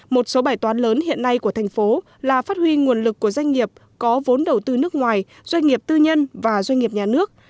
một số bài toán lớn hiện nay của thành phố là phát huy nguồn lực của doanh nghiệp có vốn đầu tư nước ngoài doanh nghiệp tư nhân và doanh nghiệp nhà nước